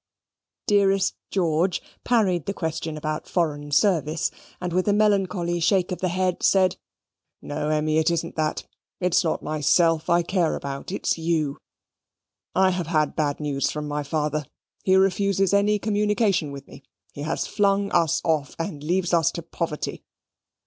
Dearest George parried the question about foreign service, and with a melancholy shake of the head said, "No, Emmy; it isn't that: it's not myself I care about: it's you. I have had bad news from my father. He refuses any communication with me; he has flung us off; and leaves us to poverty.